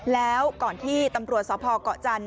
แล้วก่อนที่ตำรวจสพเกาะจันท